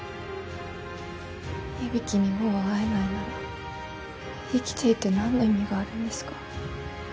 響にもう会えないなら生きていて何の意味があるんですか？